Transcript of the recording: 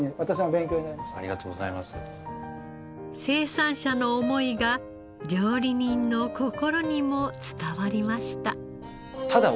生産者の思いが料理人の心にも伝わりました。